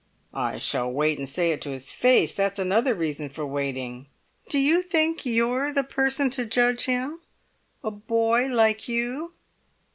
"I shall wait and say it to his face. That's another reason for waiting." "Do you think you're the person to judge him—a boy like you?"